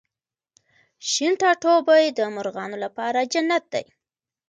شین ټاټوبی د مرغانو لپاره جنت دی